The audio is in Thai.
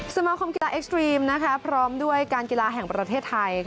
สมาคมกีฬาเอ็กซ์ตรีมพร้อมด้วยการกีฬาแห่งประเทศไทย